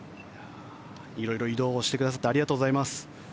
色々移動してくださってありがとうございます。